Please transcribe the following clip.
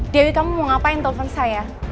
dewi kamu mau ngapain telpon saya